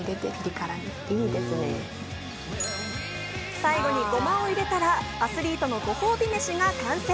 最後にゴマを入れたら、アスリートのご褒美飯が完成。